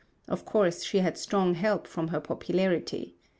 Of course she had strong help from her popularity.